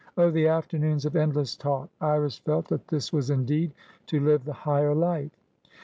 Oh, the afternoons of endless talk! Iris felt that this was indeed to live the higher life.